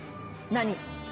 何？